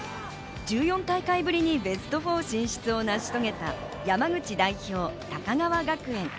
１４大会ぶりにベスト４進出を成し遂げた山口代表・高川学園。